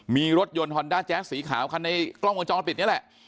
มีรถยนต์ฮอนด้าแจ๊สสีขาวคันในกล้องวงจรปิดนี่แหละ